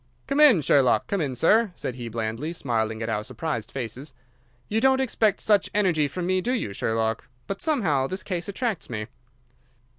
"Come in, Sherlock! Come in, sir," said he blandly, smiling at our surprised faces. "You don't expect such energy from me, do you, Sherlock? But somehow this case attracts me."